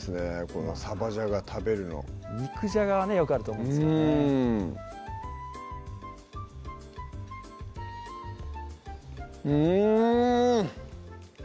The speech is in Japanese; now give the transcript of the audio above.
この「サバじゃが」食べるの肉じゃがはねよくあると思うんですけどねうん！